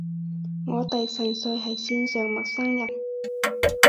我哋純粹係線上陌生人